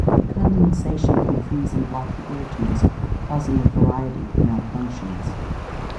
Condensation can freeze and block the air tubes causing a variety of malfunctions.